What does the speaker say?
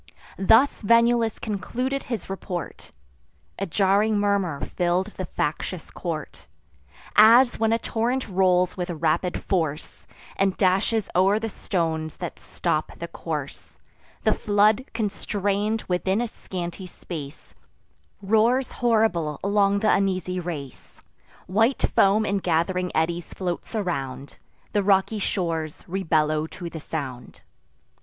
Thus Venulus concluded his report. A jarring murmur fill'd the factious court: As, when a torrent rolls with rapid force, And dashes o'er the stones that stop the course, The flood, constrain'd within a scanty space, Roars horrible along th' uneasy race; White foam in gath'ring eddies floats around; The rocky shores rebellow to the sound.